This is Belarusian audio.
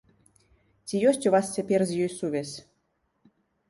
Ці ёсць у вас цяпер з ёй сувязь?